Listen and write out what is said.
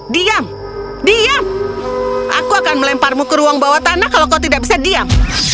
diam diam aku akan melemparmu ke ruang bawah tanah kalau kau tidak bisa diam